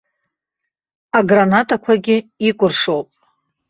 Агранатқәагьы икәыршоуп.